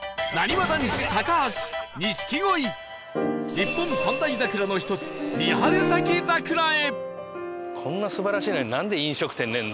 日本三大桜の一つ三春滝桜へ